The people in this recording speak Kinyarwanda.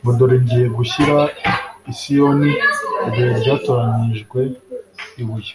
ngo dore ngiye gushyira i siyoni ibuye ryatoranyijwe ibuye